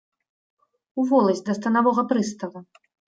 У воласць да станавога прыстава.